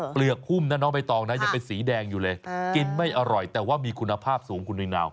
เปลือกหุ้มนะน้องใบตองนะยังเป็นสีแดงอยู่เลยกินไม่อร่อยแต่ว่ามีคุณภาพสูงคุณนิวนาว